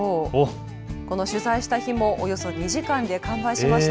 この取材した日もおよそ２時間で完売しました。